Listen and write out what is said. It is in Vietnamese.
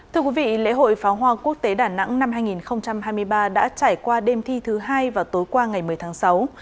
thưa quý vị lễ hội pháo hoa quốc tế đà nẵng năm hai nghìn hai mươi ba đã trải qua đêm thi thứ hai vào tối qua ngày một mươi tháng sáu